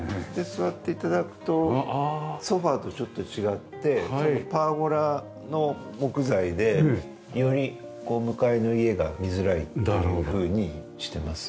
座って頂くとソファとちょっと違ってパーゴラの木材でより向かいの家が見づらいというふうにしてます。